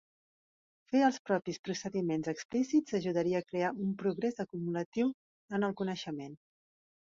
Fer els propis procediments explícits ajudaria a crear un "progrés acumulatiu en el coneixement".